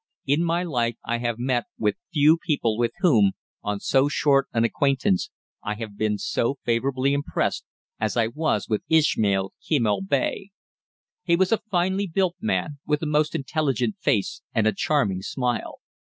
In my life I have met with few people with whom, on so short an acquaintance, I have been so favorably impressed as I was with Ismail Kemal Bey. He was a finely built man, with a most intelligent face and a charming smile.